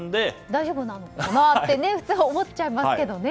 大丈夫なのかなって思っちゃいますけどね。